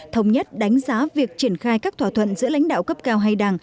thống nhất đánh giá việc triển khai các thỏa thuận giữa lãnh đạo cấp cao hai đảng